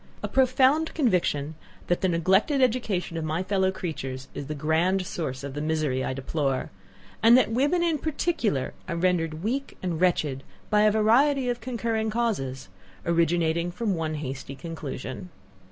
a profound conviction, that the neglected education of my fellow creatures is the grand source of the misery I deplore; and that women in particular, are rendered weak and wretched by a variety of concurring causes, originating from one hasty conclusion.